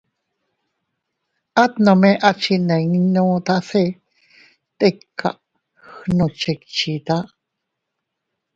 At nome a chinninuta se tika gnuchickchita.